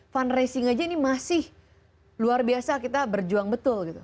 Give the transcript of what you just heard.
fundraising aja ini masih luar biasa kita berjuang betul gitu